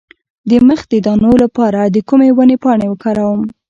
د مخ د دانو لپاره د کومې ونې پاڼې وکاروم؟